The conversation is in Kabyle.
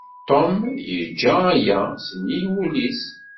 Ṭum yegga aya sennig wul-is.